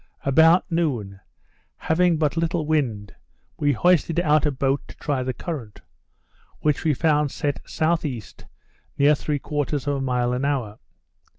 About noon, having but little wind, we hoisted out a boat to try the current, which we found set S.E. near 3/4 of a mile an hour.